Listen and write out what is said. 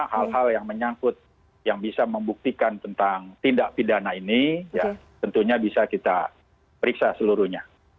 hal hal yang menyangkut yang bisa membuktikan tentang tindak pidana ini ya tentunya bisa kita periksa seluruhnya